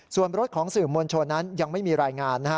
ส่วนรถของสื่อมวลชนยังไม่มีรายงาน